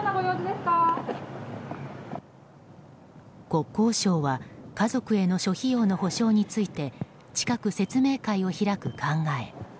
国交省は家族への諸費用の補償について近く説明会を開く考え。